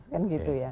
kan gitu ya